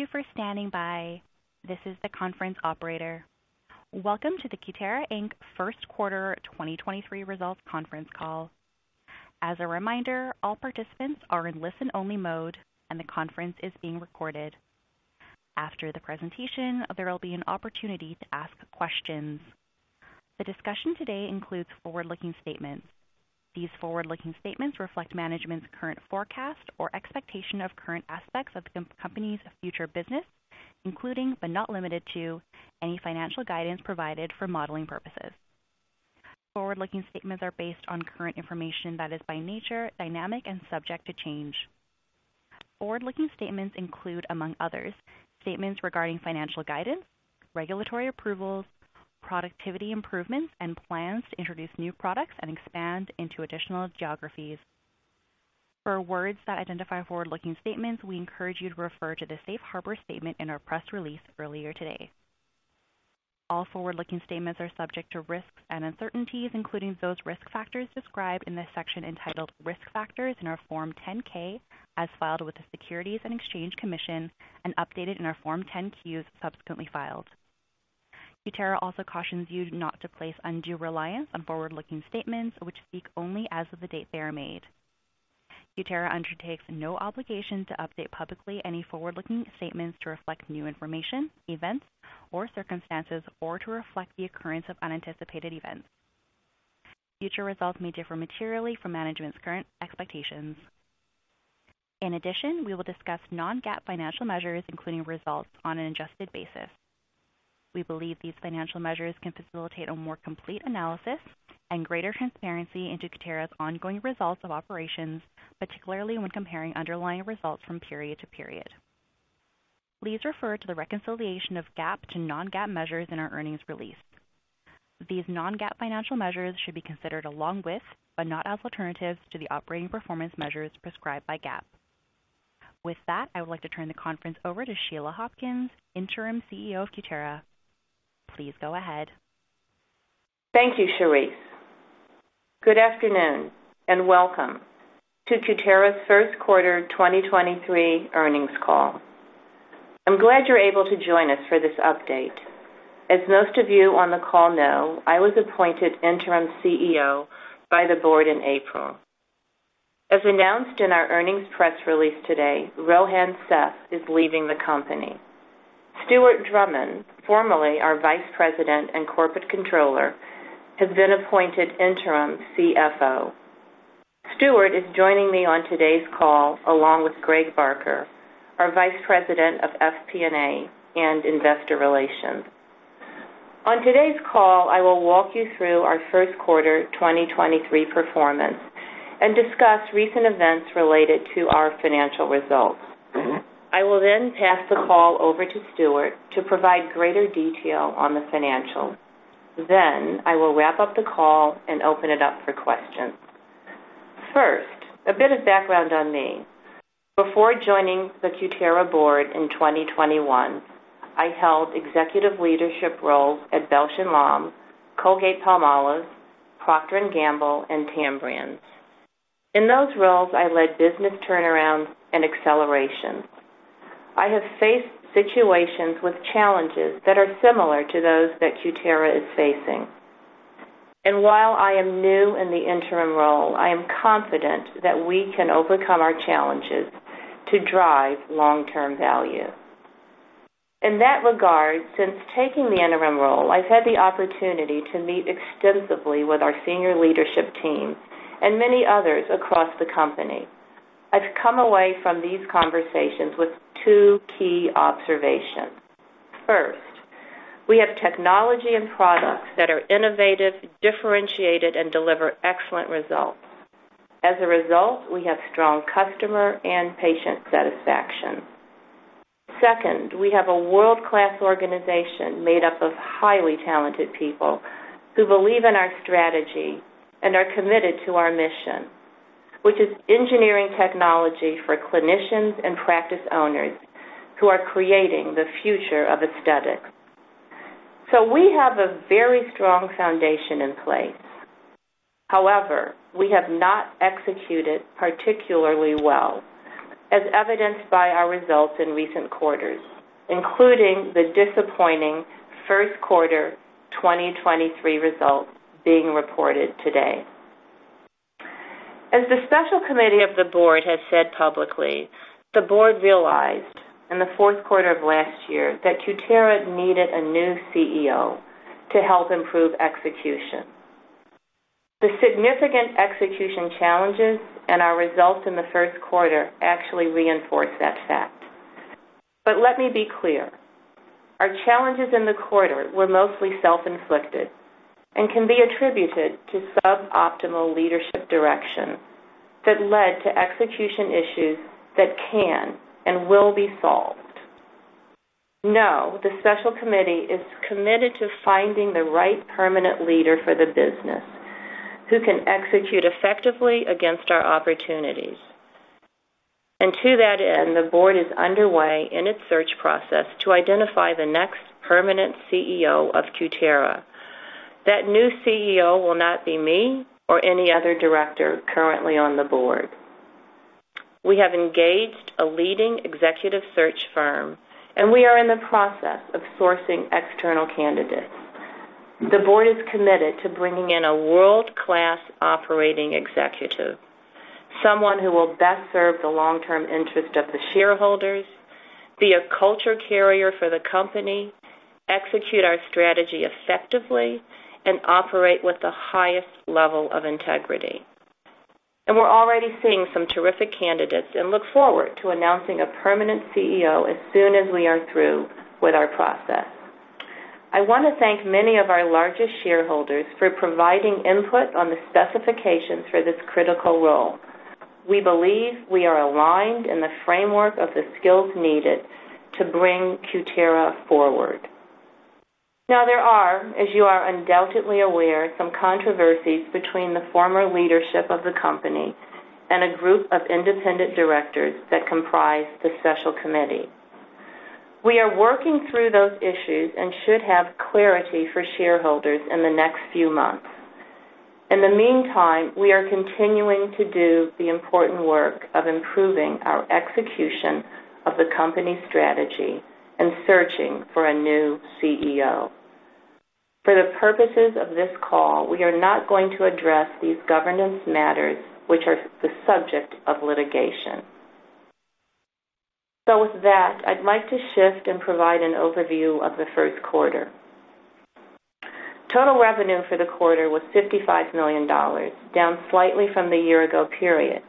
Thank you for standing by. This is the conference operator. Welcome to the Cutera Inc First Quarter 2023 Results Conference Call. As a reminder, all participants are in listen-only mode, and the conference is being recorded. After the presentation, there will be an opportunity to ask questions. The discussion today includes forward-looking statements. These forward-looking statements reflect management's current forecast or expectation of current aspects of the company's future business, including but not limited to, any financial guidance provided for modeling purposes. Forward-looking statements are based on current information that is, by nature, dynamic and subject to change. Forward-looking statements include, among others, statements regarding financial guidance, regulatory approvals, productivity improvements, and plans to introduce new products and expand into additional geographies. For words that identify forward-looking statements, we encourage you to refer to the safe harbor statement in our press release earlier today. All forward-looking statements are subject to risks and uncertainties, including those risk factors described in the section entitled Risk Factors in our Form 10-K as filed with the Securities and Exchange Commission and updated in our Form 10-Q's subsequently filed. Cutera also cautions you not to place undue reliance on forward-looking statements, which speak only as of the date they are made. Cutera undertakes no obligation to update publicly any forward-looking statements to reflect new information, events or circumstances or to reflect the occurrence of unanticipated events. Future results may differ materially from management's current expectations. In addition, we will discuss non-GAAP financial measures, including results on an adjusted basis. We believe these financial measures can facilitate a more complete analysis and greater transparency into Cutera's ongoing results of operations, particularly when comparing underlying results from period to period. Please refer to the reconciliation of GAAP to non-GAAP measures in our earnings release. These non-GAAP financial measures should be considered along with, but not as alternatives to, the operating performance measures prescribed by GAAP. With that, I would like to turn the conference over to Sheila Hopkins, Interim CEO of Cutera. Please go ahead. Thank you, Sharice. Good afternoon and welcome to Cutera's First Quarter 2023 Earnings Call. I'm glad you're able to join us for this update. As most of you on the call know, I was appointed interim CEO by the board in April. As announced in our earnings press release today, Rohan Seth is leaving the company. Stuart Drummond, formerly our Vice President and Corporate Controller, has been appointed interim CFO. Stuart is joining me on today's call along with Greg Barker, our Vice President of FP&A and Investor Relations. On today's call, I will walk you through our first quarter 2023 performance and discuss recent events related to our financial results. I will pass the call over to Stuart to provide greater detail on the financials. I will wrap up the call and open it up for questions. First, a bit of background on me. Before joining the Cutera board in 2021, I held executive leadership roles at Bausch + Lomb, Colgate-Palmolive, Procter & Gamble, and Tambrands. In those roles, I led business turnarounds and accelerations. I have faced situations with challenges that are similar to those that Cutera is facing. While I am new in the interim role, I am confident that we can overcome our challenges to drive long-term value. In that regard, since taking the interim role, I've had the opportunity to meet extensively with our senior leadership team and many others across the company. I've come away from these conversations with two key observations. First, we have technology and products that are innovative, differentiated, and deliver excellent results. As a result, we have strong customer and patient satisfaction. Second, we have a world-class organization made up of highly talented people who believe in our strategy and are committed to our mission, which is engineering technology for clinicians and practice owners who are creating the future of aesthetics. We have a very strong foundation in place. However, we have not executed particularly well, as evidenced by our results in recent quarters, including the disappointing first quarter 2023 results being reported today. As the special committee of the board has said publicly, the board realized in the fourth quarter of last year that Cutera needed a new CEO to help improve execution. The significant execution challenges and our results in the first quarter actually reinforce that fact. Let me be clear, our challenges in the quarter were mostly self-inflicted and can be attributed to suboptimal leadership direction that led to execution issues that can and will be solved. Know the special committee is committed to finding the right permanent leader for the business who can execute effectively against our opportunities. To that end, the board is underway in its search process to identify the next permanent CEO of Cutera. That new CEO will not be me or any other director currently on the board. We have engaged a leading executive search firm, and we are in the process of sourcing external candidates. The board is committed to bringing in a world-class operating executive, someone who will best serve the long-term interest of the shareholders, be a culture carrier for the company, execute our strategy effectively, and operate with the highest level of integrity. We're already seeing some terrific candidates and look forward to announcing a permanent CEO as soon as we are through with our process. I want to thank many of our largest shareholders for providing input on the specifications for this critical role. We believe we are aligned in the framework of the skills needed to bring Cutera forward. There are, as you are undoubtedly aware, some controversies between the former leadership of the company and a group of independent directors that comprise the special committee. We are working through those issues and should have clarity for shareholders in the next few months. In the meantime, we are continuing to do the important work of improving our execution of the company strategy and searching for a new CEO. For the purposes of this call, we are not going to address these governance matters, which are the subject of litigation. With that, I'd like to shift and provide an overview of the first quarter. Total revenue for the quarter was $55 million, down slightly from the year ago period.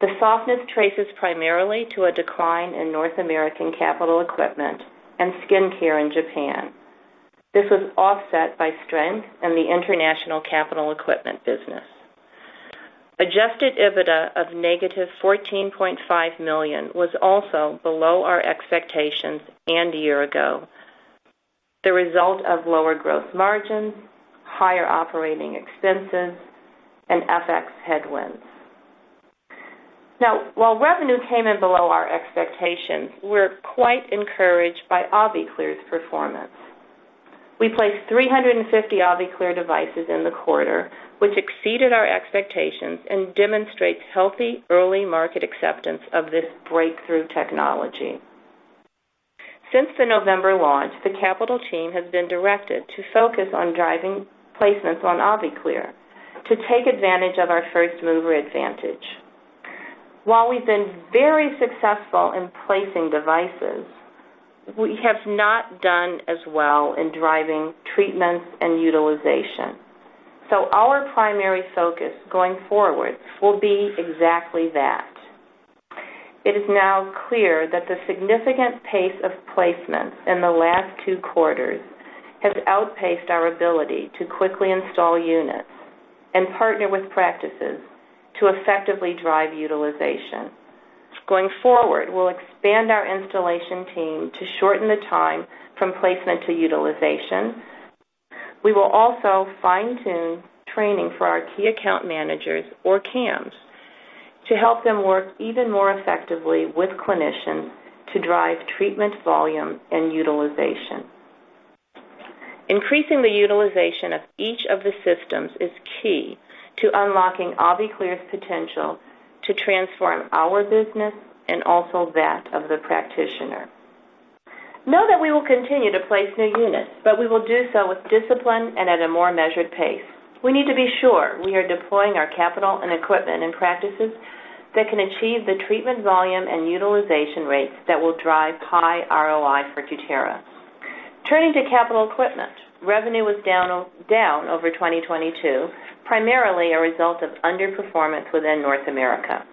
The softness traces primarily to a decline in North American capital equipment and skincare in Japan. This was offset by strength in the international capital equipment business. Adjusted EBITDA of -$14.5 million was also below our expectations and year ago, the result of lower gross margins, higher operating expenses, and FX headwinds. While revenue came in below our expectations, we're quite encouraged by AviClear's performance. We placed 350 AviClear devices in the quarter, which exceeded our expectations and demonstrates healthy early market acceptance of this breakthrough technology. Since the November launch, the capital team has been directed to focus on driving placements on AviClear to take advantage of our first-mover advantage. While we've been very successful in placing devices, we have not done as well in driving treatments and utilization. Our primary focus going forward will be exactly that. It is now clear that the significant pace of placements in the last two quarters has outpaced our ability to quickly install units and partner with practices to effectively drive utilization. Going forward, we'll expand our installation team to shorten the time from placement to utilization. We will also fine-tune training for our Key Account Managers or KAMs to help them work even more effectively with clinicians to drive treatment volume and utilization. Increasing the utilization of each of the systems is key to unlocking AviClear's potential to transform our business and also that of the practitioner. Know that we will continue to place new units, we will do so with discipline and at a more measured pace. We need to be sure we are deploying our capital and equipment and practices that can achieve the treatment volume and utilization rates that will drive high ROI for Cutera. Turning to capital equipment. Revenue was down over 2022, primarily a result of underperformance within North America.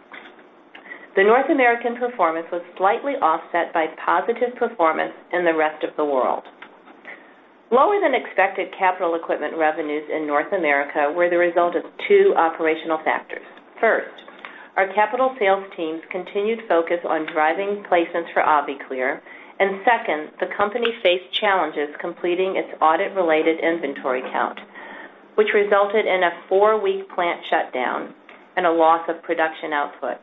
The North American performance was slightly offset by positive performance in the Rest of World. Lower than expected capital equipment revenues in North America were the result of two operational factors. First, our capital sales teams continued focus on driving placements for AviClear. And second, the company faced challenges completing its audit-related inventory count, which resulted in a four week plant shutdown and a loss of production output.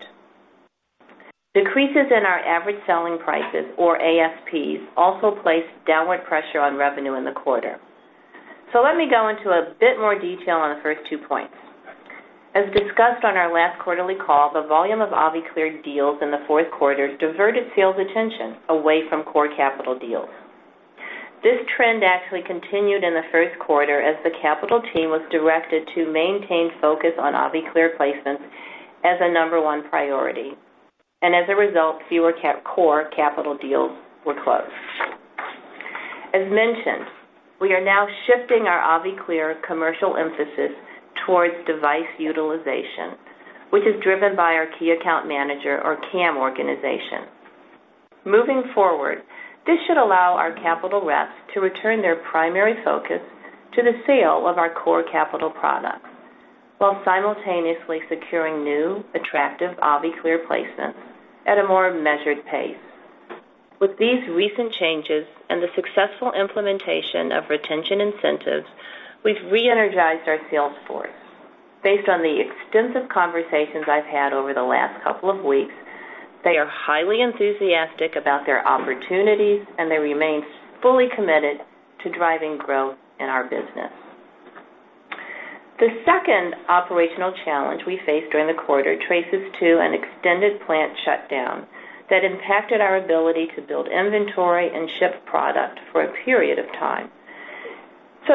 Decreases in our average selling prices, or ASPs, also placed downward pressure on revenue in the quarter. Let me go into a bit more detail on the first two points. As discussed on our last quarterly call, the volume of AviClear deals in the fourth quarter diverted sales attention away from core capital deals. This trend actually continued in the first quarter as the capital team was directed to maintain focus on AviClear placements as a number one priority. As a result, fewer core capital deals were closed. As mentioned, we are now shifting our AviClear commercial emphasis towards device utilization, which is driven by our Key Account Manager, or KAM, organization. Moving forward, this should allow our capital reps to return their primary focus to the sale of our core capital products while simultaneously securing new attractive AviClear placements at a more measured pace. With these recent changes and the successful implementation of retention incentives, we've reenergized our sales force. Based on the extensive conversations I've had over the last couple of weeks, they are highly enthusiastic about their opportunities, and they remain fully committed to driving growth in our business. The second operational challenge we faced during the quarter traces to an extended plant shutdown that impacted our ability to build inventory and ship product for a period of time.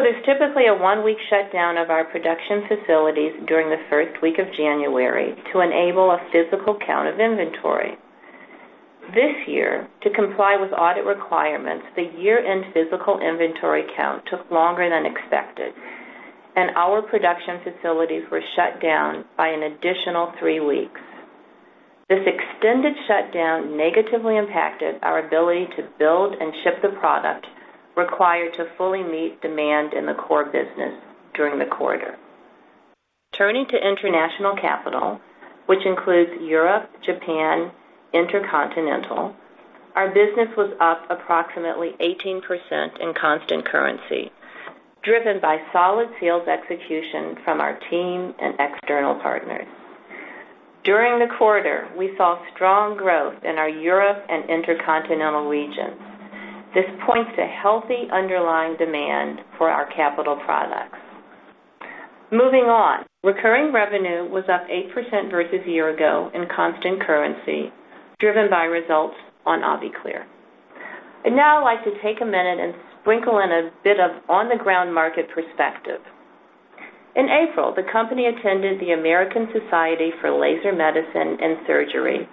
There's typically a one week shutdown of our production facilities during the 1st week of January to enable a physical count of inventory. This year, to comply with audit requirements, the year-end physical inventory count took longer than expected, and our production facilities were shut down by an additional three weeks. This extended shutdown negatively impacted our ability to build and ship the product required to fully meet demand in the core business during the quarter. Turning to international capital, which includes Europe, Japan, Intercontinental, our business was up approximately 18% in constant currency, driven by solid sales execution from our team and external partners. During the quarter, we saw strong growth in our Europe and Intercontinental regions. This points to healthy underlying demand for our capital products. Moving on. Recurring revenue was up 8% versus a year ago in constant currency, driven by results on AviClear. I'd now like to take a minute and sprinkle in a bit of on-the-ground market perspective. In April, the company attended the American Society for Laser Medicine and Surgery,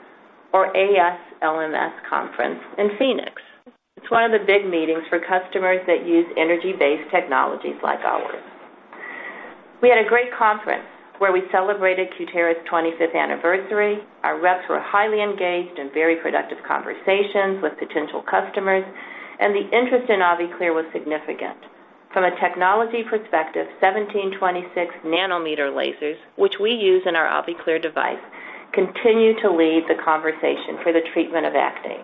or ASLMS conference in Phoenix. It's one of the big meetings for customers that use energy-based technologies like ours. We had a great conference where we celebrated Cutera's 25th anniversary. Our reps were highly engaged in very productive conversations with potential customers, and the interest in AviClear was significant. From a technology perspective, 1726 nm lasers, which we use in our AviClear device, continue to lead the conversation for the treatment of acne.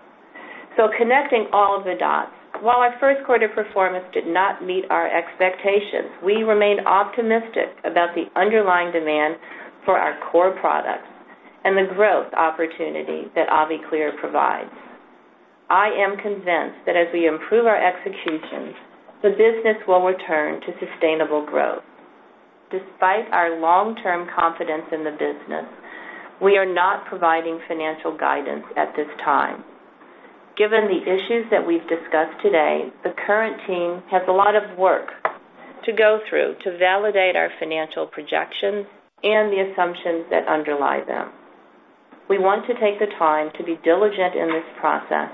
Connecting all the dots, while our first quarter performance did not meet our expectations, we remain optimistic about the underlying demand for our core products and the growth opportunity that AviClear provides. I am convinced that as we improve our executions, the business will return to sustainable growth. Despite our long-term confidence in the business, we are not providing financial guidance at this time. Given the issues that we've discussed today, the current team has a lot of work to go through to validate our financial projections and the assumptions that underlie them. We want to take the time to be diligent in this process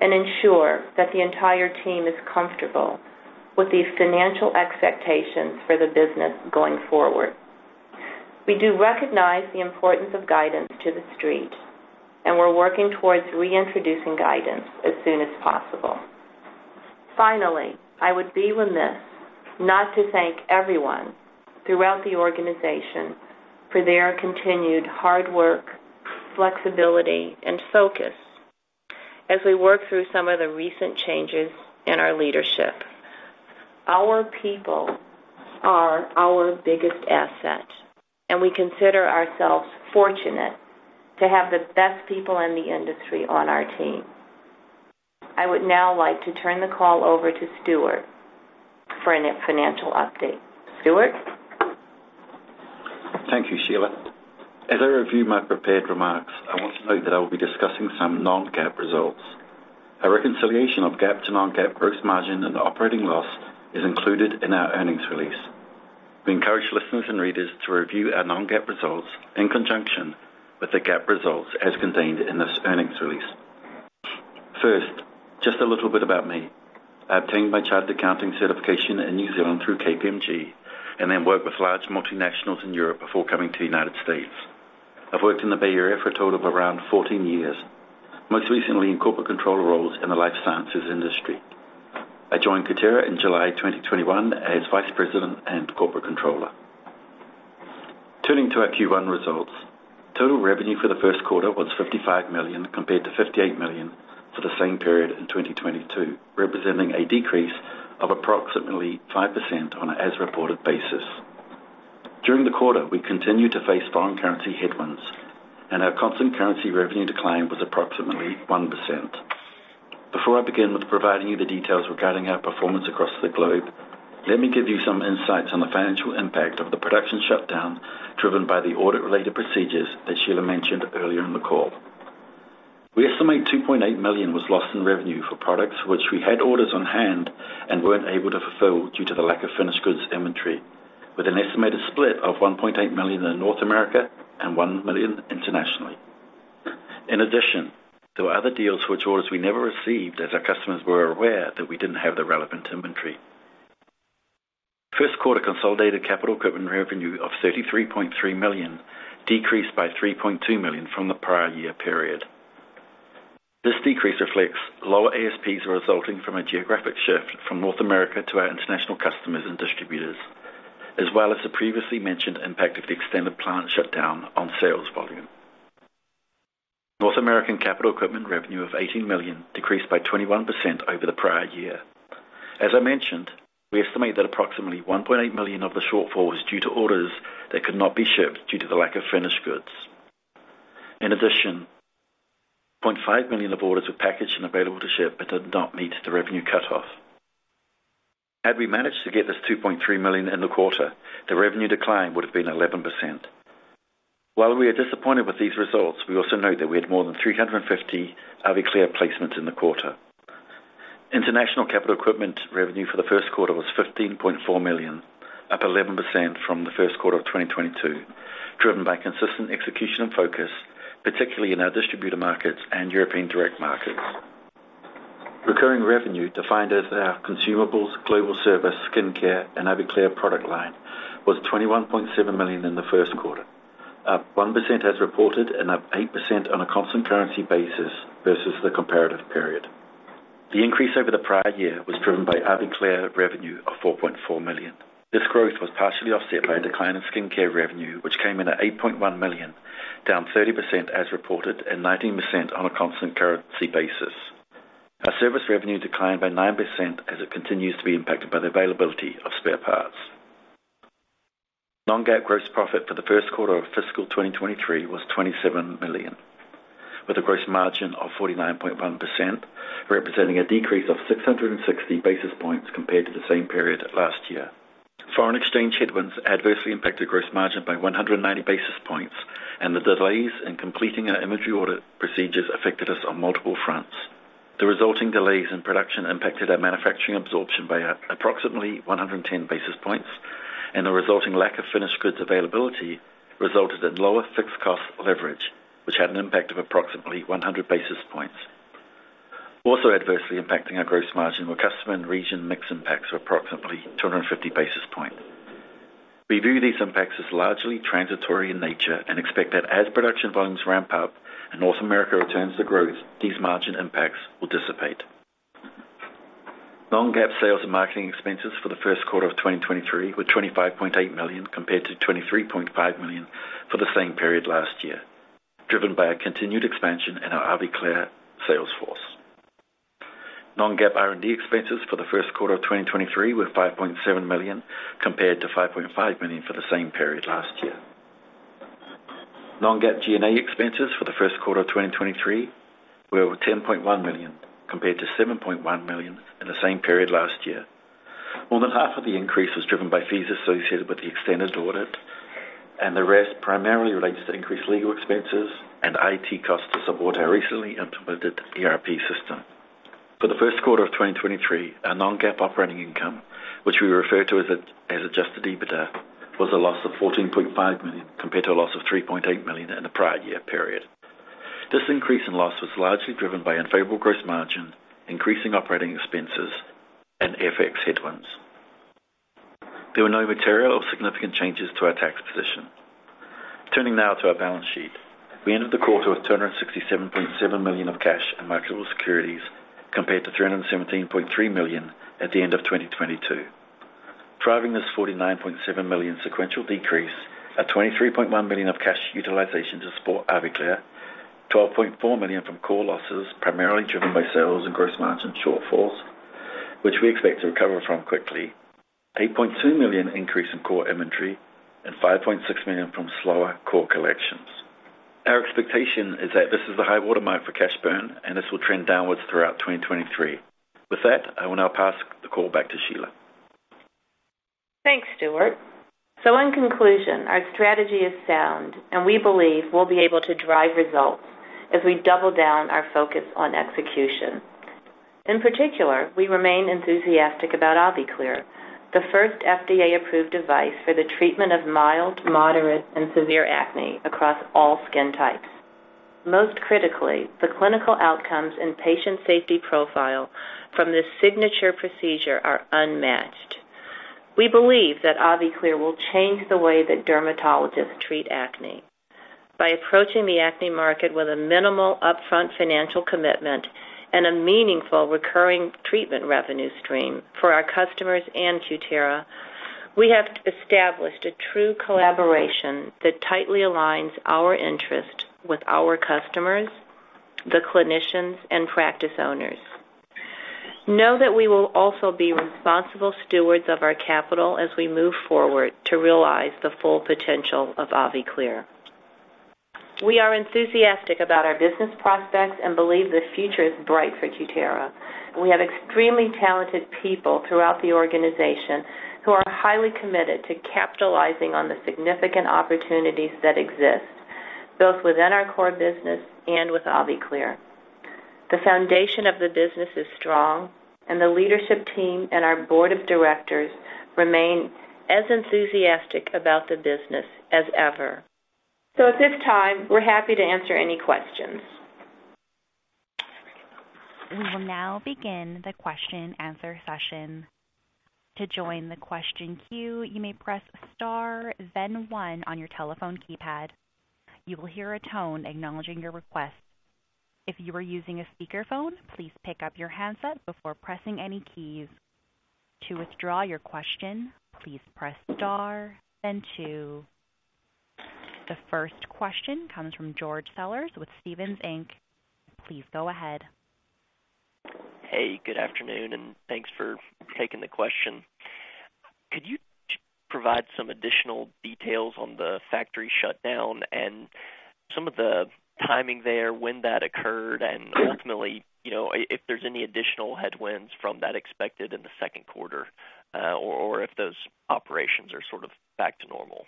and ensure that the entire team is comfortable with these financial expectations for the business going forward. We do recognize the importance of guidance to the Street, and we're working towards reintroducing guidance as soon as possible. Finally, I would be remiss not to thank everyone throughout the organization for their continued hard work, flexibility, and focus as we work through some of the recent changes in our leadership. Our people are our biggest asset, and we consider ourselves fortunate to have the best people in the industry on our team. I would now like to turn the call over to Stuart for a net financial update. Stuart? Thank you, Sheila. As I review my prepared remarks, I want to note that I will be discussing some non-GAAP results. A reconciliation of GAAP to non-GAAP gross margin and the operating loss is included in our earnings release. We encourage listeners and readers to review our non-GAAP results in conjunction with the GAAP results as contained in this earnings release. First, just a little bit about me. I obtained my charter accounting certification in New Zealand through KPMG and then worked with large multinationals in Europe before coming to the United States. I've worked in the Bay Area for a total of around 14 years, most recently in corporate controller roles in the life sciences industry. I joined Cutera in July 2021 as Vice President and Corporate Controller. Turning to our Q1 results. Total revenue for the first quarter was $55 million, compared to $58 million for the same period in 2022, representing a decrease of approximately 5% on an as-reported basis. During the quarter, we continued to face foreign currency headwinds, our constant currency revenue decline was approximately 1%. Before I begin with providing you the details regarding our performance across the globe, let me give you some insights on the financial impact of the production shutdown driven by the audit-related procedures that Sheila mentioned earlier in the call. We estimate $2.8 million was lost in revenue for products which we had orders on-hand and weren't able to fulfill due to the lack of finished goods inventory, with an estimated split of $1.8 million in North America and $1 million internationally. In addition, there were other deals for which orders we never received as our customers were aware that we didn't have the relevant inventory. First quarter consolidated capital equipment revenue of $33.3 million decreased by $3.2 million from the prior year period. This decrease reflects lower ASPs resulting from a geographic shift from North America to our international customers and distributors, as well as the previously mentioned impact of the extended plant shutdown on sales volume. North American capital equipment revenue of $18 million decreased by 21% over the prior year. As I mentioned, we estimate that approximately $1.8 million of the shortfall is due to orders that could not be shipped due to the lack of finished goods. In addition, $0.5 million of orders were packaged and available to ship, but did not meet the revenue cut off. Had we managed to get this $2.3 million in the quarter, the revenue decline would have been 11%. While we are disappointed with these results, we also know that we had more than 350 AviClear placements in the quarter. International capital equipment revenue for the first quarter was $15.4 million, up 11% from the first quarter of 2022, driven by consistent execution and focus, particularly in our distributor markets and European direct markets. Recurring revenue defined as our consumables, global service, skincare and AviClear product line was $21.7 million in the first quarter, up 1% as reported and up 8% on a constant currency basis versus the comparative period. The increase over the prior year was driven by AviClear revenue of $4.4 million. This growth was partially offset by a decline in skincare revenue, which came in at $8.1 million, down 30% as reported and 19% on a constant currency basis. Our service revenue declined by 9% as it continues to be impacted by the availability of spare parts. Non-GAAP gross profit for the first quarter of fiscal 2023 was $27 million, with a gross margin of 49.1%, representing a decrease of 660 basis points compared to the same period last year. Foreign exchange headwinds adversely impacted gross margin by 190 basis points, and the delays in completing our inventory audit procedures affected us on multiple fronts. The resulting delays in production impacted our manufacturing absorption by approximately 110 basis points, and the resulting lack of finished goods availability resulted in lower fixed cost leverage, which had an impact of approximately 100 basis points. Also adversely impacting our gross margin were customer and region mix impacts of approximately 250 basis points. We view these impacts as largely transitory in nature and expect that as production volumes ramp up and North America returns to growth, these margin impacts will dissipate. Non-GAAP sales and marketing expenses for the first quarter of 2023 were $25.8 million, compared to $23.5 million for the same period last year, driven by a continued expansion in our AviClear sales force. Non-GAAP R&D expenses for the first quarter of 2023 were $5.7 million, compared to $5.5 million for the same period last year. non-GAAP G&A expenses for the first quarter of 2023 were over $10.1 million, compared to $7.1 million in the same period last year. More than half of the increase was driven by fees associated with the extended audit, and the rest primarily relates to increased legal expenses and IT costs to support our recently implemented ERP system. For the first quarter of 2023, our non-GAAP operating income, which we refer to as Adjusted EBITDA, was a loss of $14.5 million, compared to a loss of $3.8 million in the prior year period. This increase in loss was largely driven by unfavorable gross margin, increasing operating expenses and FX headwinds. There were no material or significant changes to our tax position. Turning now to our balance sheet. We ended the quarter with $267.7 million of cash and marketable securities, compared to $317.3 million at the end of 2022. Driving this $49.7 million sequential decrease at $23.1 million of cash utilization to support AviClear, $12.4 million from core losses, primarily driven by sales and gross margin shortfalls, which we expect to recover from quickly. $8.2 million increase in core inventory and $5.6 million from slower core collections. Our expectation is that this is the high-water mark for cash burn and this will trend downwards throughout 2023. With that, I will now pass the call back to Sheila. Thanks, Stuart. In conclusion, our strategy is sound and we believe we'll be able to drive results as we double down our focus on execution. In particular, we remain enthusiastic about AviClear, the first FDA-approved device for the treatment of mild, moderate and severe acne across all skin types. Most critically, the clinical outcomes and patient safety profile from this signature procedure are unmatched. We believe that AviClear will change the way that dermatologists treat acne. By approaching the acne market with a minimal upfront financial commitment and a meaningful recurring treatment revenue stream for our customers and Cutera, we have established a true collaboration that tightly aligns our interest with our customers, the clinicians and practice owners. Know that we will also be responsible stewards of our capital as we move forward to realize the full potential of AviClear. We are enthusiastic about our business prospects and believe the future is bright for Cutera. We have extremely talented people throughout the organization who are highly committed to capitalizing on the significant opportunities that exist both within our core business and with AviClear. The foundation of the business is strong and the leadership team and our board of directors remain as enthusiastic about the business as ever. At this time, we're happy to answer any questions. We will now begin the question-and-answer session. To join the question queue, you may press star then one on your telephone keypad. You will hear a tone acknowledging your request. If you are using a speakerphone, please pick up your handset before pressing any keys. To withdraw your question, please press star then two. The first question comes from George Sellers with Stephens Inc. Please go ahead. Hey, good afternoon, thanks for taking the question. Could you provide some additional details on the factory shutdown and some of the timing there when that occurred, ultimately, you know, if there's any additional headwinds from that expected in the second quarter, or if those operations are sort of back to normal?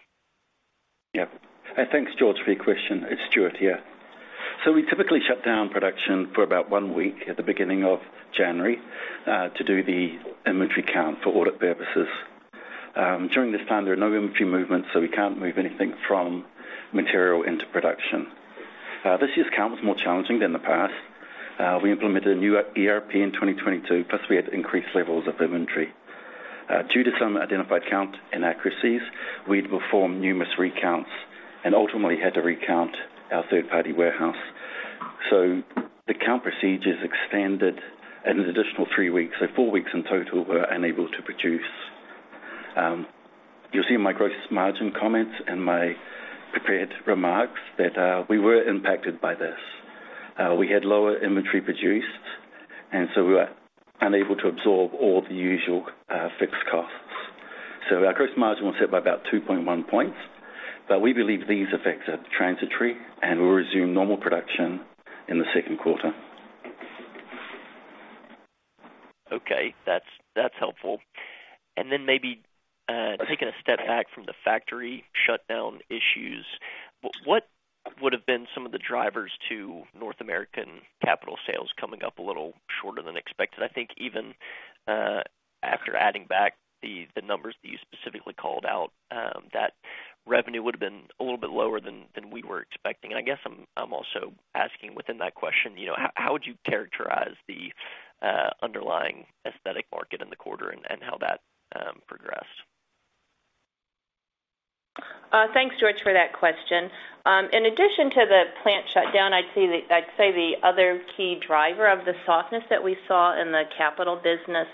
Thanks, George, for your question. It's Stuart here. We typically shut down production for about one week at the beginning of January to do the inventory count for audit purposes. During this time, there are no inventory movements, we can't move anything from material into production. This year's count was more challenging than the past. We implemented a new ERP in 2022, plus we had increased levels of inventory. Due to some identified count inaccuracies, we'd perform numerous recounts and ultimately had to recount our third-party warehouse. The count procedures extended an additional three weeks, and four weeks in total, we're unable to produce. You'll see in my gross margin comments and my prepared remarks that we were impacted by this. We had lower inventory produced, we were unable to absorb all the usual fixed costs. Our gross margin was hit by about 2.1 points. We believe these effects are transitory, we'll resume normal production in the second quarter. Okay. That's helpful. Then maybe, taking a step back from the factory shutdown issues, what would have been some of the drivers to North American capital sales coming up a little shorter than expected? I think even, after adding back the numbers that you specifically called out, that revenue would have been a little bit lower than we were expecting. I guess I'm also asking within that question, you know, how would you characterize the underlying aesthetic market in the quarter and how that progressed? Thanks, George, for that question. In addition to the plant shutdown, I'd say the other key driver of the softness that we saw in the capital business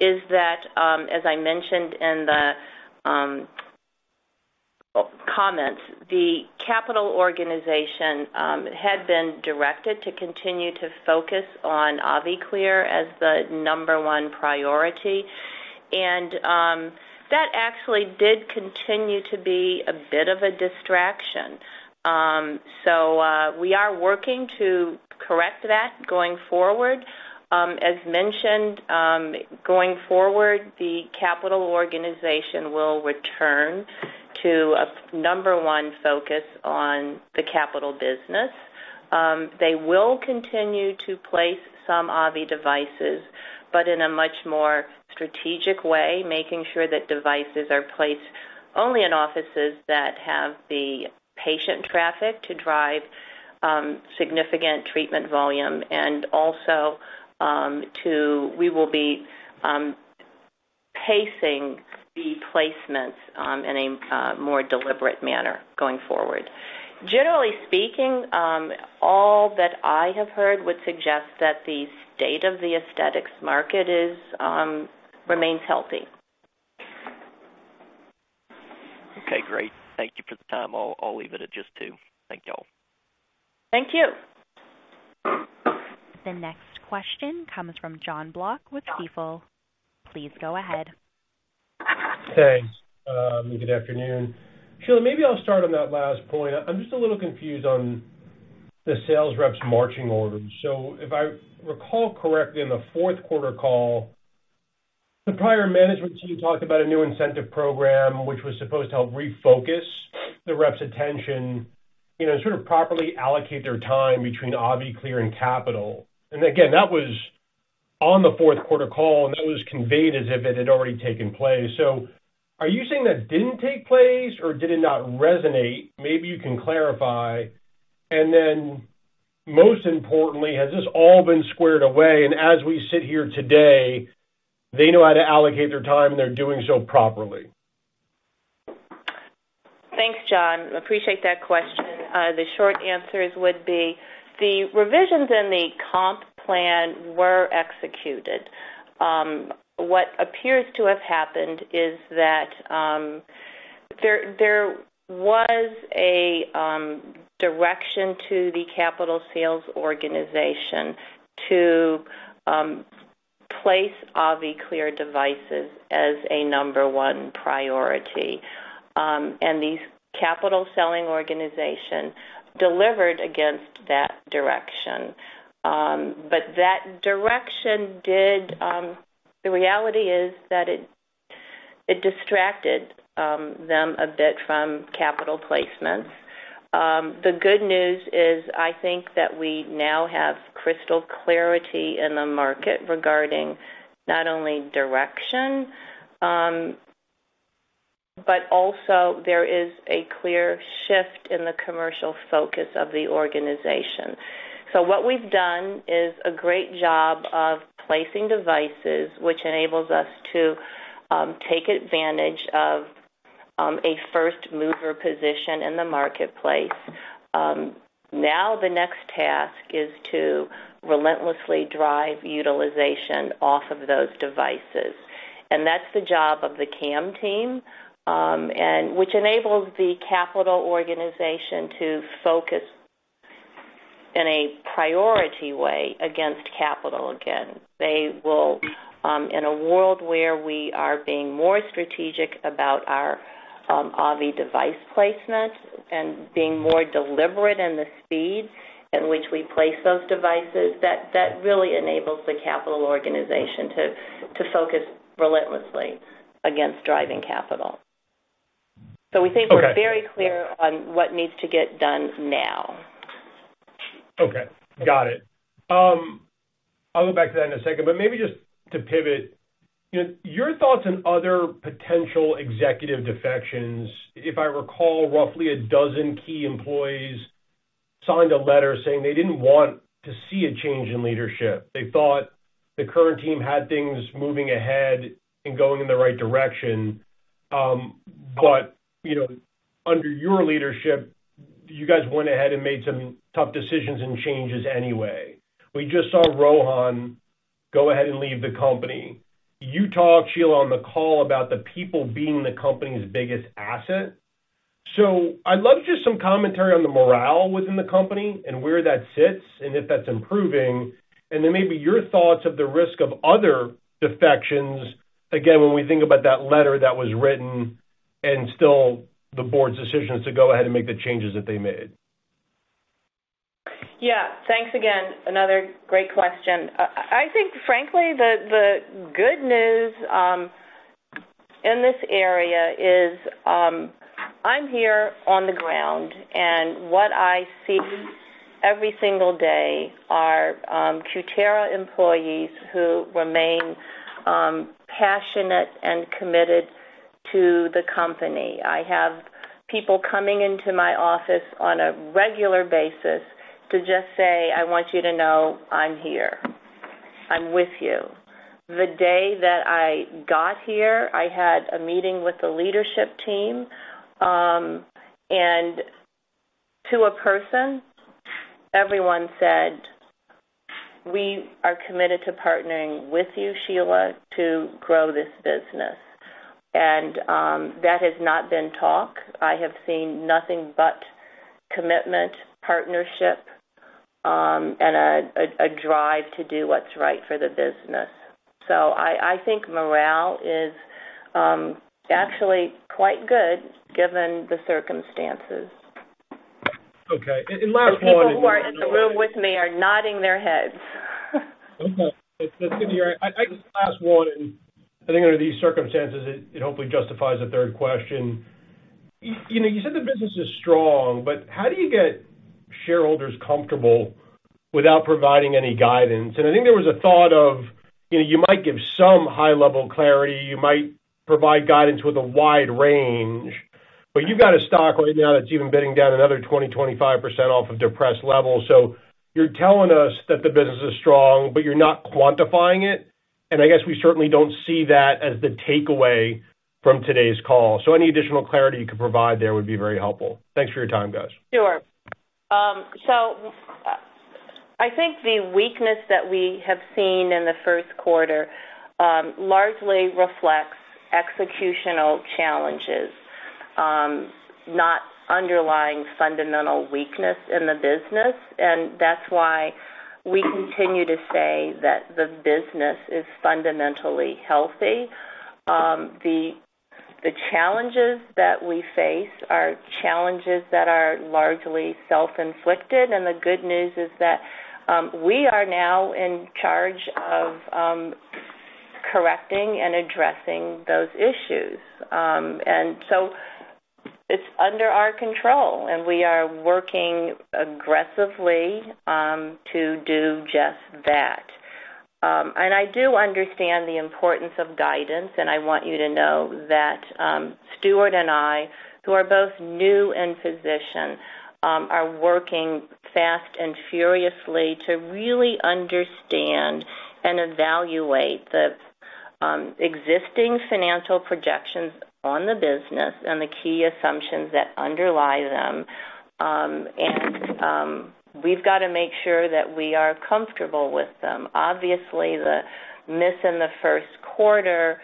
is that, as I mentioned in the comments, the capital organization had been directed to continue to focus on AviClear as the number one priority. That actually did continue to be a bit of a distraction. We are working to correct that going forward. As mentioned, going forward, the capital organization will return to a number one focus on the capital business. They will continue to place some AviClear devices, but in a much more strategic way, making sure that devices are placed only in offices that have the patient traffic to drive significant treatment volume. We will be pacing the placements in a more deliberate manner going forward. Generally speaking, all that I have heard would suggest that the state of the aesthetics market is remains healthy. Okay, great. Thank you for the time. I'll leave it at just two. Thank you all. Thank you. The next question comes from Jon Block with Stifel. Please go ahead. Thanks. Good afternoon. Sheila, maybe I'll start on that last point. I'm just a little confused on the sales reps' marching orders. If I recall correctly, in the fourth quarter call, the prior management team talked about a new incentive program, which was supposed to help refocus the reps' attention, you know, sort of properly allocate their time between AviClear and capital. Again, that was on the fourth quarter call, and that was conveyed as if it had already taken place. Are you saying that didn't take place, or did it not resonate? Maybe you can clarify. Then most importantly, has this all been squared away? As we sit here today, they know how to allocate their time, and they're doing so properly. Thanks, Jon. Appreciate that question. The short answers would be the revisions in the comp plan were executed. What appears to have happened is that there was a direction to the capital sales organization to place AviClear devices as a number one priority. The capital selling organization delivered against that direction. That direction did, the reality is that it distracted them a bit from capital placements. The good news is I think that we now have crystal clarity in the market regarding not only direction, but also there is a clear shift in the commercial focus of the organization. What we've done is a great job of placing devices, which enables us to take advantage of a first mover position in the marketplace. Now the next task is to relentlessly drive utilization off of those devices, and that's the job of the KAM team, and which enables the capital organization to focus in a priority way against capital again. They will, in a world where we are being more strategic about our AviClear device placement and being more deliberate in the speed in which we place those devices, that really enables the capital organization to focus relentlessly against driving capital. Okay. We think we're very clear on what needs to get done now. Okay, got it. I'll go back to that in a second, but maybe just to pivot, your thoughts on other potential executive defections. If I recall, roughly 12 key employees signed a letter saying they didn't want to see a change in leadership. They thought the current team had things moving ahead and going in the right direction. You know, under your leadership, you guys went ahead and made some tough decisions and changes anyway. We just saw Rohan go ahead and leave the company. You talked, Sheila, on the call about the people being the company's biggest asset. I'd love just some commentary on the morale within the company and where that sits and if that's improving, and then maybe your thoughts of the risk of other defections, again, when we think about that letter that was written and still the board's decisions to go ahead and make the changes that they made. Yeah. Thanks again. Another great question. I think frankly, the good news in this area is, I'm here on the ground, and what I see every single day are Cutera employees who remain passionate and committed to the company. I have people coming into my office on a regular basis to just say, "I want you to know I'm here. I'm with you." The day that I got here, I had a meeting with the leadership team, to a person, everyone said, "We are committed to partnering with you, Sheila, to grow this business." That has not been talk. I have seen nothing but commitment, partnership, a drive to do what's right for the business. I think morale is actually quite good given the circumstances. Okay. last one. The people who are in the room with me are nodding their heads. Okay. That's gonna be all right. I think last one, and I think under these circumstances it hopefully justifies a third question. You know, you said the business is strong, but how do you get shareholders comfortable without providing any guidance? I think there was a thought of, you know, you might give some high-level clarity, you might provide guidance with a wide range, but you've got a stock right now that's even bidding down another 20%-25% off of depressed levels. You're telling us that the business is strong, but you're not quantifying it. I guess we certainly don't see that as the takeaway from today's call. Any additional clarity you could provide there would be very helpful. Thanks for your time, guys. Sure. I think the weakness that we have seen in the first quarter largely reflects executional challenges, not underlying fundamental weakness in the business. That's why we continue to say that the business is fundamentally healthy. The challenges that we face are challenges that are largely self-inflicted, the good news is that we are now in charge of correcting and addressing those issues. It's under our control, we are working aggressively to do just that. I do understand the importance of guidance, I want you to know that Stuart and I, who are both new in position, are working fast and furiously to really understand and evaluate the existing financial projections on the business and the key assumptions that underlie them. We've got to make sure that we are comfortable with them. Obviously, the miss in the first quarter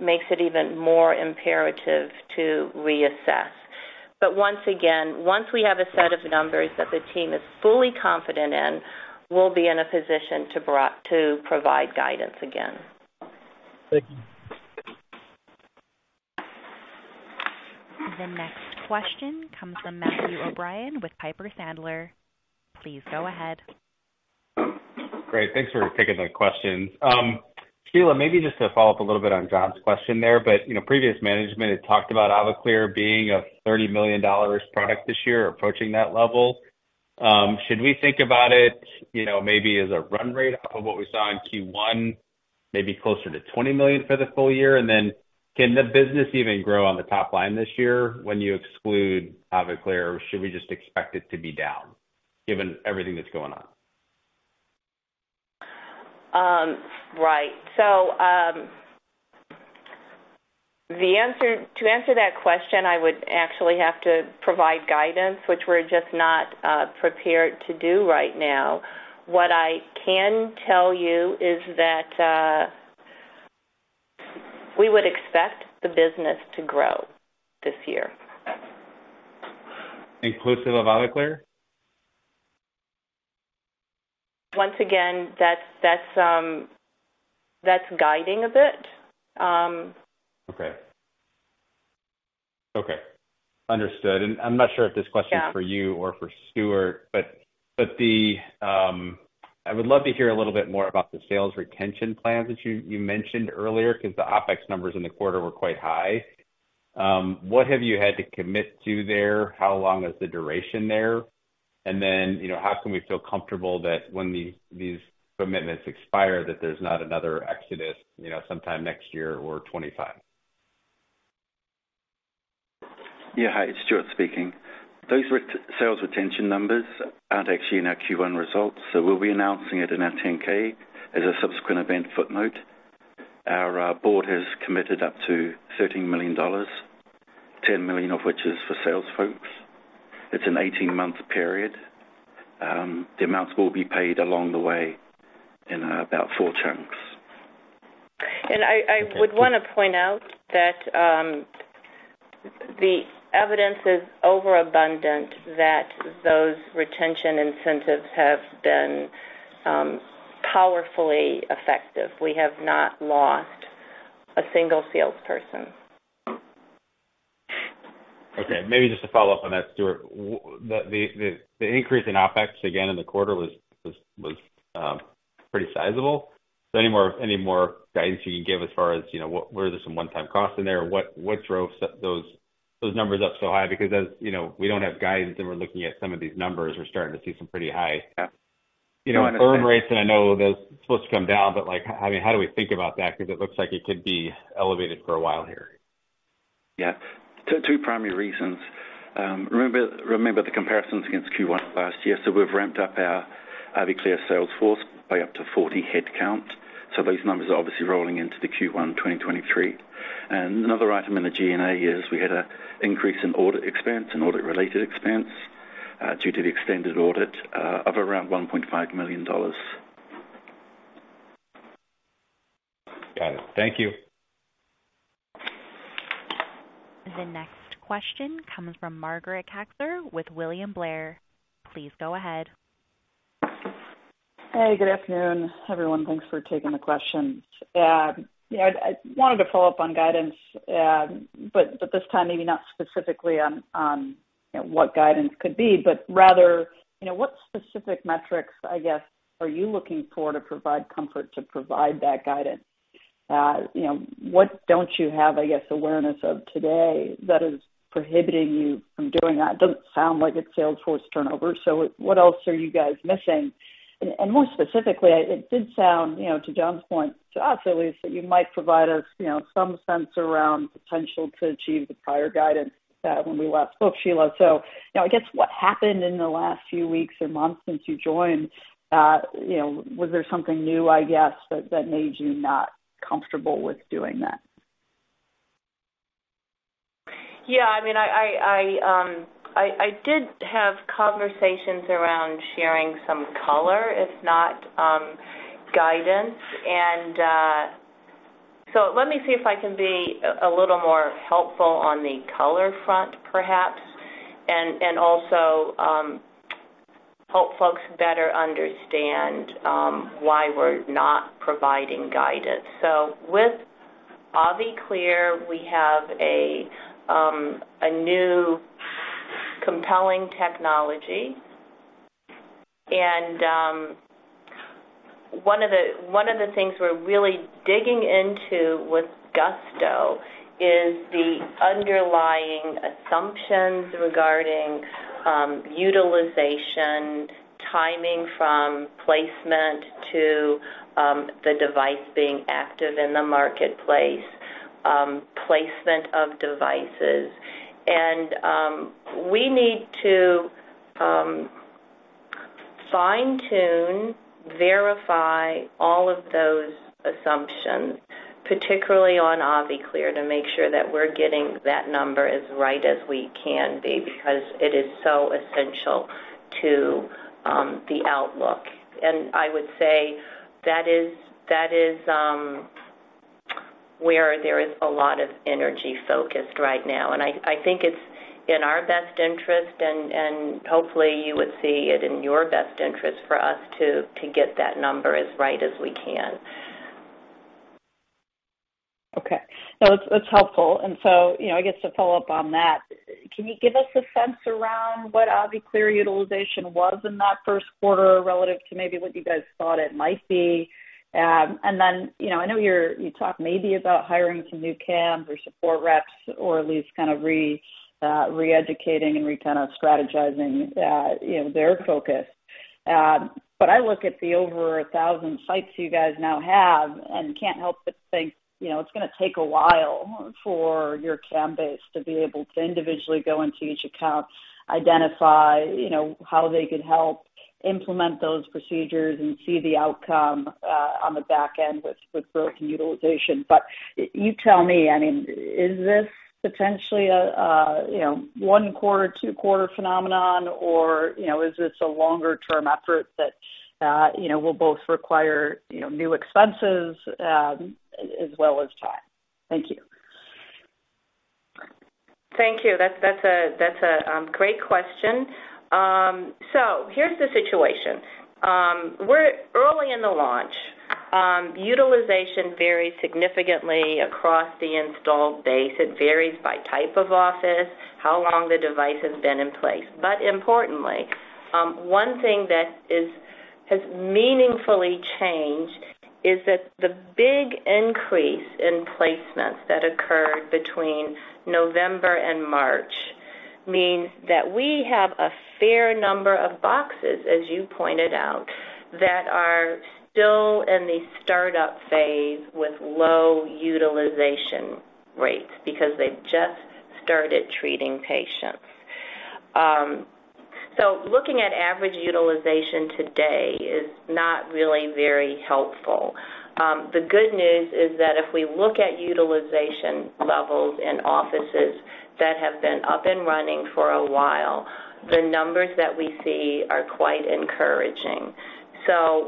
makes it even more imperative to reassess. Once again, once we have a set of numbers that the team is fully confident in, we'll be in a position to provide guidance again. Thank you. The next question comes from Matthew O'Brien with Piper Sandler. Please go ahead. Great. Thanks for taking the questions. Sheila, maybe just to follow-up a little bit on Jon's question there, you know, previous management had talked about AviClear being a $30 million product this year, approaching that level. Should we think about it, you know, maybe as a run rate off of what we saw in Q1, maybe closer to $20 million for the full year? Then can the business even grow on the top line this year when you exclude AviClear, or should we just expect it to be down given everything that's going on? Right. To answer that question, I would actually have to provide guidance, which we're just not prepared to do right now. What I can tell you is that, we would expect the business to grow this year. Inclusive of AviClear? Once again, that's that's guiding a bit. Okay. Okay. Understood. I'm not sure if this question- Yeah. -is for you or for Stuart, but the, I would love to hear a little bit more about the sales retention plans that you mentioned earlier, 'cause the OpEx numbers in the quarter were quite high. What have you had to commit to there? How long is the duration there? Then, you know, how can we feel comfortable that when these commitments expire that there's not another exodus, you know, sometime next year or 2025? Hi, it's Stuart speaking. Those sales retention numbers aren't actually in our Q1 results. We'll be announcing it in our 10-K as a subsequent event footnote. Our board has committed up to $13 million, $10 million of which is for sales folks. It's an 18-month period. The amounts will be paid along the way in about four chunks. I would wanna point out that the evidence is overabundant that those retention incentives have been powerfully effective. We have not lost a single salesperson. Maybe just to follow-up on that, Stuart. The increase in OpEx again in the quarter was pretty sizable. So any more, any more guidance you can give as far as, you know, were there some one-time costs in there? What, what drove those numbers up so high? Because as you know, we don't have guidance, and we're looking at some of these numbers, we're starting to see some pretty high... Yeah. you know, earn rates. I know that's supposed to come down, but, like, I mean, how do we think about that? 'Cause it looks like it could be elevated for a while here. Two primary reasons. Remember the comparisons against Q1 last year. We've ramped up our AviClear sales force by up to 40 headcount. These numbers are obviously rolling into the Q1 2023. Another item in the G&A is we had an increase in audit expense and audit-related expense due to the extended audit of around $1.5 million. Got it. Thank you. The next question comes from Margaret Kaczor with William Blair. Please go ahead. Hey, good afternoon, everyone. Thanks for taking the questions. Yeah, I wanted to follow-up on guidance, but this time maybe not specifically on, you know, what guidance could be, but rather, you know, what specific metrics, I guess, are you looking for to provide comfort to provide that guidance? You know, what don't you have, I guess, awareness of today that is prohibiting you from doing that? It doesn't sound like it's sales force turnover, so what else are you guys missing? More specifically, it did sound, you know, to Jon's point, to us at least, that you might provide us, you know, some sense around potential to achieve the prior guidance, when we last spoke, Sheila. You know, I guess what happened in the last few weeks or months since you joined? you know, was there something new, I guess, that made you not comfortable with doing that? Yeah, I mean, I did have conversations around sharing some color, if not guidance. Let me see if I can be a little more helpful on the color front perhaps, and also help folks better understand why we're not providing guidance. With AviClear, we have a new compelling technology. One of the things we're really digging into with gusto is the underlying assumptions regarding utilization, timing from placement to the device being active in the marketplace, placement of devices. We need to fine-tune, verify all of those assumptions, particularly on AviClear, to make sure that we're getting that number as right as we can be because it is so essential to the outlook. I would say that is where there is a lot of energy focused right now. I think it's in our best interest and hopefully you would see it in your best interest for us to get that number as right as we can. Okay. No, it's helpful. You know, I guess to follow-up on that, can you give us a sense around what AviClear utilization was in that 1st quarter relative to maybe what you guys thought it might be? Then, you know, I know you talked maybe about hiring some new KAMs or support reps or at least kind of re-educating and re-strategizing, you know, their focus. I look at the over 1,000 sites you guys now have and can't help but think, you know, it's gonna take a while for your KAM base to be able to individually go into each account, identify, you know, how they could help implement those procedures and see the outcome on the back end with growth and utilization. You tell me, I mean, is this potentially you know, one quarter, two quarter phenomenon or, you know, is this a longer term effort that, you know, will both require, you know, new expenses, as well as time? Thank you. Thank you. That's a great question. Here's the situation. We're early in the launch. Utilization varies significantly across the installed base. It varies by type of office, how long the device has been in place. Importantly, one thing that has meaningfully changed is that the big increase in placements that occurred between November and March means that we have a fair number of boxes, as you pointed out, that are still in the startup phase with low utilization rates because they've just started treating patients. Looking at average utilization today is not really very helpful. The good news is that if we look at utilization levels in offices that have been up and running for a while, the numbers that we see are quite encouraging.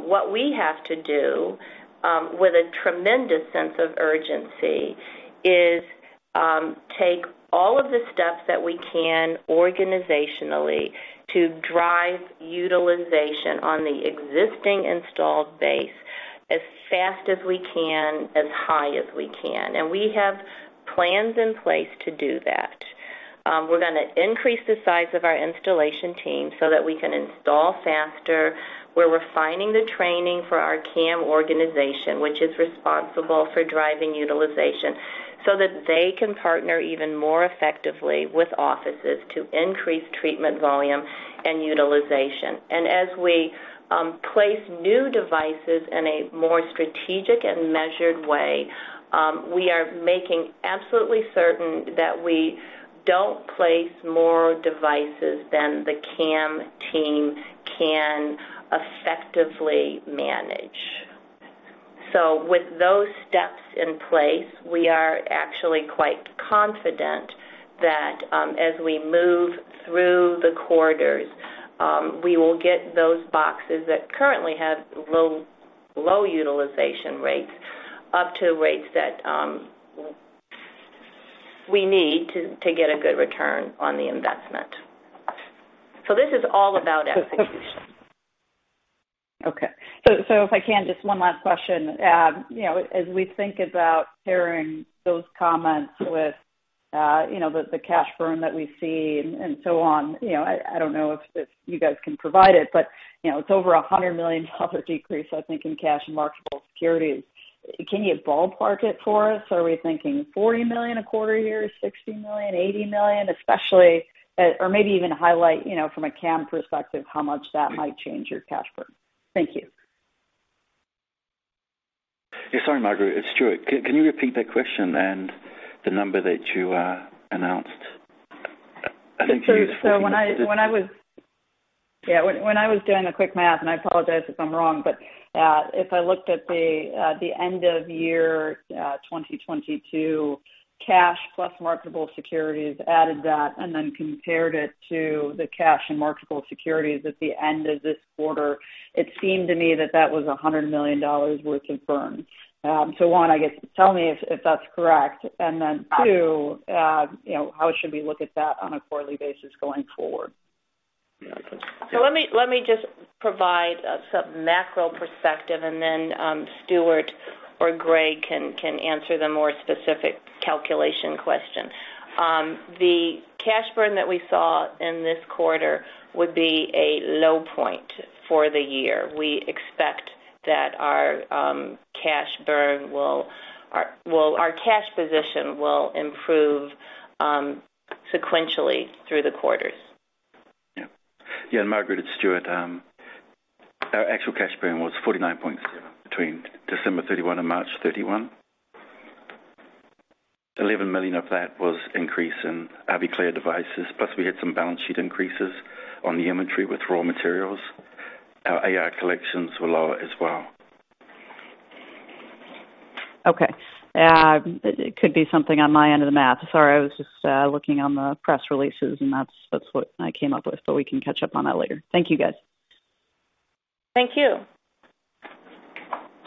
What we have to do, with a tremendous sense of urgency is, take all of the steps that we can organizationally to drive utilization on the existing installed base as fast as we can, as high as we can. We have plans in place to do that. We're gonna increase the size of our installation team so that we can install faster. We're refining the training for our KAM organization, which is responsible for driving utilization so that they can partner even more effectively with offices to increase treatment volume and utilization. As we place new devices in a more strategic and measured way, we are making absolutely certain that we don't place more devices than the KAM team can effectively manage. With those steps in place, we are actually quite confident that, as we move through the quarters, we will get those boxes that currently have low utilization rates up to rates that we need to get a good return on the investment. This is all about execution. Okay. If I can, just one last question. You know, as we think about pairing those comments with, you know, the cash burn that we see and so on, you know, I don't know if you guys can provide it, but, you know, it's over a $100 million decrease, I think, in cash and marketable securities. Can you ballpark it for us? Are we thinking $40 million a quarter here, $60 million, $80 million? Especially, or maybe even highlight, you know, from a KAM perspective, how much that might change your cash burn. Thank you. Yeah. Sorry, Margaret, it's Stuart. Can you repeat that question and the number that you announced? I think you. Sure. When I was doing the quick math, I apologize if I'm wrong, but if I looked at the end of year 2022 cash plus marketable securities, added that, and then compared it to the cash and marketable securities at the end of this quarter, it seemed to me that that was $100 million worth of burn. One, I guess, tell me if that's correct. Two, you know, how should we look at that on a quarterly basis going forward? Let me just provide some macro perspective, and then Stuart or Greg can answer the more specific calculation question. The cash burn that we saw in this quarter would be a low point for the year. We expect that our, well, our cash position will improve sequentially through the quarters. Yeah. Yeah. Margaret, it's Stuart. Our actual cash burn was $49.0 between December 31 and March 31. $11 million of that was increase in AviClear devices, plus we had some balance sheet increases on the inventory with raw materials. Our AR collections were lower as well. Okay. It could be something on my end of the math. Sorry, I was just looking on the press releases, and that's what I came up with. We can catch up on that later. Thank you, guys. Thank you.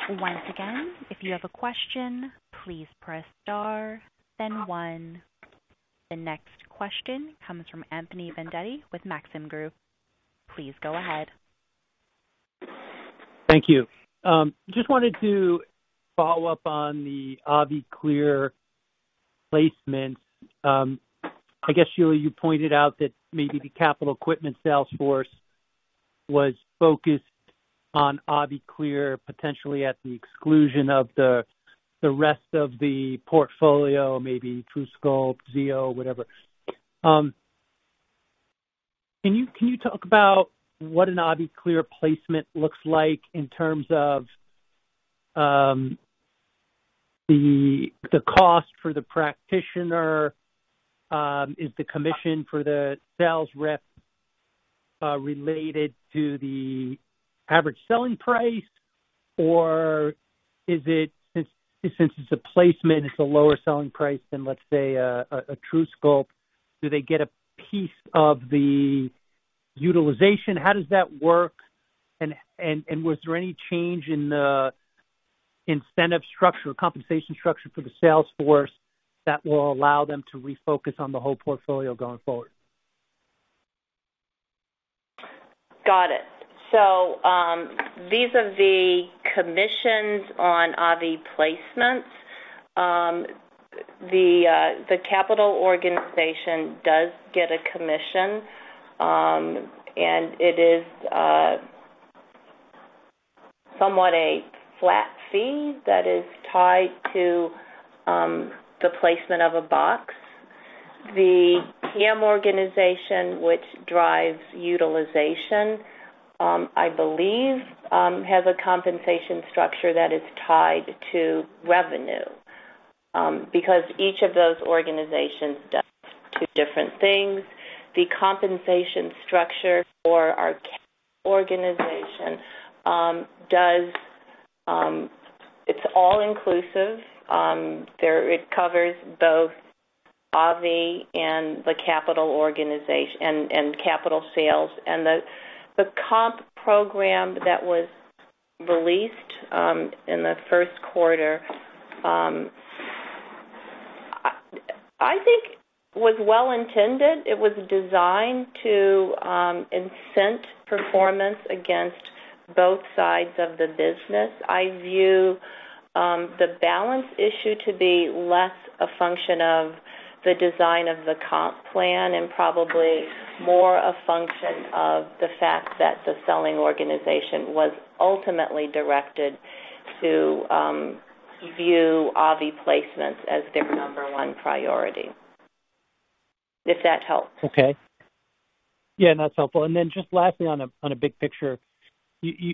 Once again, if you have a question, please press star then one. The next question comes from Anthony Vendetti with Maxim Group. Please go ahead. Thank you. Just wanted to follow-up on the AviClear placement. I guess, Sheila, you pointed out that maybe the capital equipment sales force was focused on AviClear, potentially at the exclusion of the rest of the portfolio, maybe truSculpt iD, xeo, whatever. Can you talk about what an AviClear placement looks like in terms of the cost for the practitioner, is the commission for the sales rep related to the average selling price? Or is it since it's a placement, it's a lower selling price than, let's say a truSculpt, do they get a piece of the utilization? How does that work? Was there any change in the incentive structure, compensation structure for the sales force that will allow them to refocus on the whole portfolio going forward? Got it. These are the commissions on AviClear placements. The capital organization does get a commission, and it is somewhat a flat fee that is tied to the placement of a box. The KAM organization, which drives utilization, I believe, has a compensation structure that is tied to revenue, because each of those organizations does two different things. The compensation structure for our organization does. It's all inclusive. It covers both AviClear and the capital sales. The comp program that was released in the first quarter, I think was well-intended. It was designed to incent performance against both sides of the business. I view the balance issue to be less a function of the design of the comp plan and probably more a function of the fact that the selling organization was ultimately directed to view AviClear placements as their number one priority, if that helps. Okay. Yeah, that's helpful. Just lastly on a big picture, you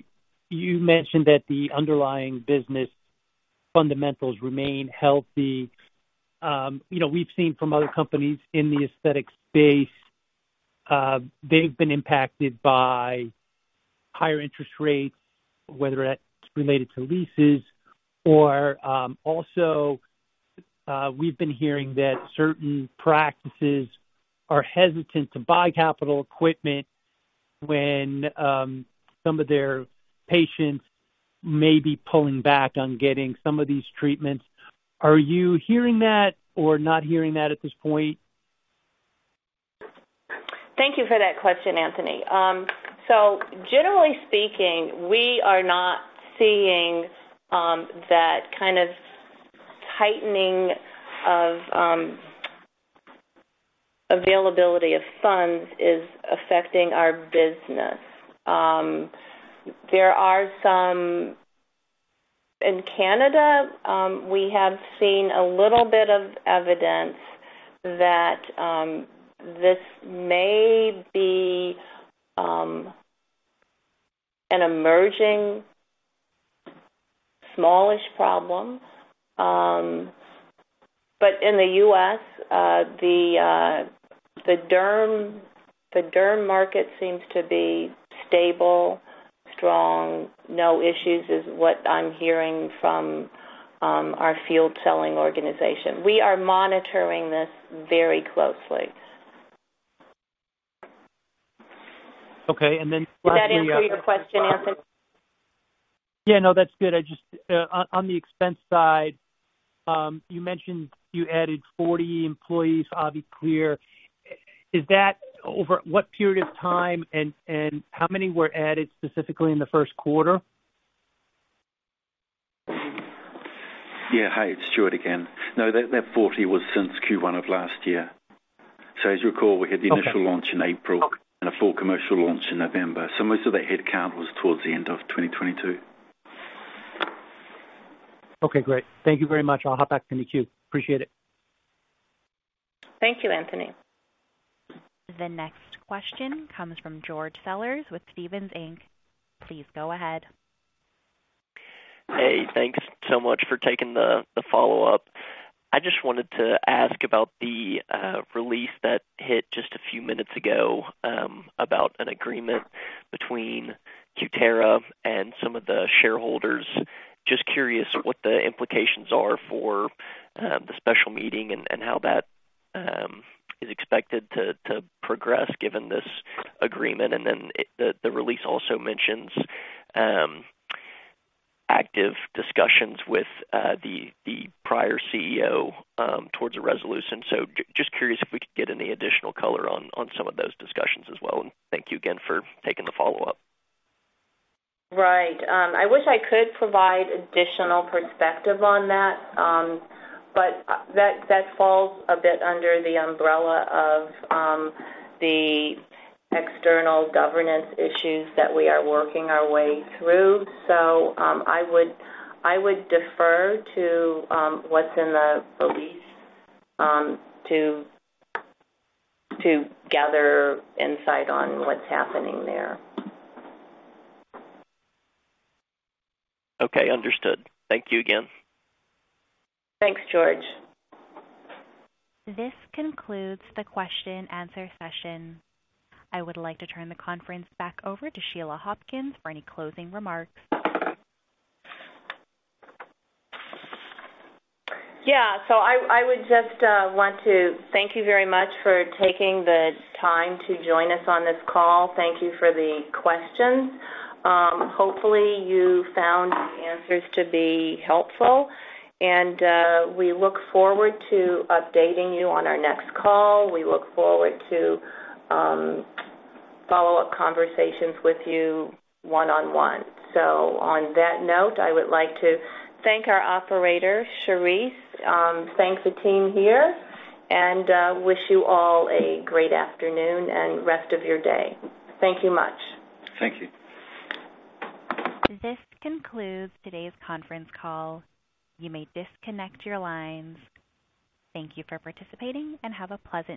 mentioned that the underlying business fundamentals remain healthy. You know, we've seen from other companies in the aesthetics space, they've been impacted by higher interest rates, whether that's related to leases or, also, we've been hearing that certain practices are hesitant to buy capital equipment when some of their patients may be pulling back on getting some of these treatments. Are you hearing that or not hearing that at this point? Thank you for that question, Anthony. Generally speaking, we are not seeing that kind of tightening of availability of funds is affecting our business. In Canada, we have seen a little bit of evidence that this may be an emerging smallish problem. In the U.S., the dermatology market seems to be stable, strong, no issues is what I'm hearing from our field selling organization. We are monitoring this very closely. Okay. lastly- Did that answer your question, Anthony? Yeah, no, that's good. I just On the expense side, you mentioned you added 40 employees, AviClear. Is that over what period of time and how many were added specifically in the first quarter? Yeah. Hi, it's Stuart again. That, that 40 was since Q1 of last year. As you recall, we had the initial launch in April and a full commercial launch in November. Most of the headcount was towards the end of 2022. Okay, great. Thank you very much. I'll hop back in the queue. Appreciate it. Thank you, Anthony. The next question comes from George Sellers with Stephens Inc. Please go ahead. Hey, thanks so much for taking the follow-up. I just wanted to ask about the release that hit just a few minutes ago about an agreement between Cutera and some of the shareholders. Just curious what the implications are for the special meeting and how that is expected to progress given this agreement. The release also mentions active discussions with the prior CEO towards a resolution. Just curious if we could get any additional color on some of those discussions as well. Thank you again for taking the follow-up. Right. I wish I could provide additional perspective on that, but that falls a bit under the umbrella of the external governance issues that we are working our way through. I would defer to what's in the release to gather insight on what's happening there. Okay, understood. Thank you again. Thanks, George. This concludes the question-and-answer session. I would like to turn the conference back over to Sheila Hopkins for any closing remarks. I would just want to thank you very much for taking the time to join us on this call. Thank you for the questions. Hopefully you found the answers to be helpful, and we look forward to updating you on our next call. We look forward to follow-up conversations with you one-on-one. On that note, I would like to thank our operator, Charisse, thank the team here, and wish you all a great afternoon and rest of your day. Thank you much. Thank you. This concludes today's conference call. You may disconnect your lines. Thank you for participating and have a pleasant day.